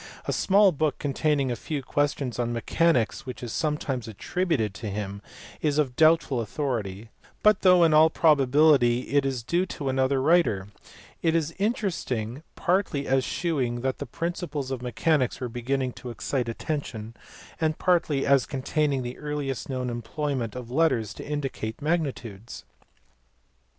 A small book containing a few questions on mechanics which is sometimes attributed to him is of doubtful authority; but, though in all probability it is due to another writer, it is interesting, partly as shewing that the principles of mechanics were beginning to excite attention, and partly as containing the earliest known employment of letters to indicate magnitudes.